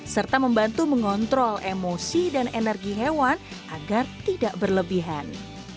serta membantu mengontrol emosi dan energi hewan agar tidak berlebihan